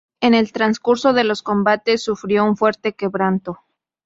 En el transcurso de los combates sufrió un fuerte quebranto.